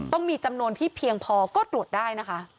ต้องมีจำนวนที่เพียงพอก็ตรวจได้นะคะ